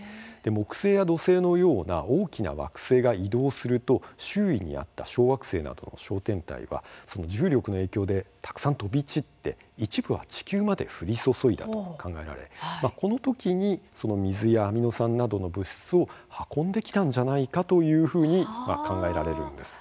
木星や土星のような大きな惑星が移動すると、周囲にあった小惑星などの小天体は重力の影響でたくさん飛び散って一部は地球まで降り注いだと考えられ、このときに水やアミノ酸などの物質を運んできたんじゃないかというふうに考えられるんです。